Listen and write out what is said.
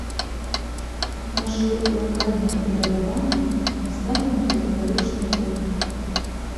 Нашы лакальныя патрабаванні мы ставім у катэгарычнай форме.